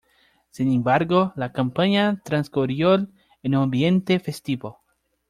Sin embargo, la campaña transcurrió en un ambiente festivo.